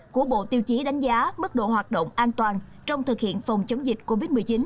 của bộ tiêu chí đánh giá mức độ hoạt động an toàn trong thực hiện phòng chống dịch covid một mươi chín